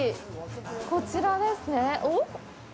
こちらですね。